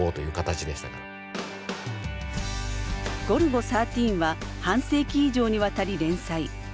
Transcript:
「ゴルゴ１３」は半世紀以上にわたり連載。